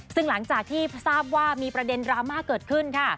ซึ่งหลังจากที่ทราบว่ามีประเด็นดราม่าเกิดขึ้นค่ะ